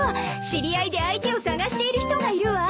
知り合いで相手を探している人がいるわ。